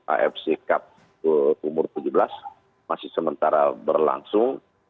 afc cup umur tujuh belas masih sementara berlangsung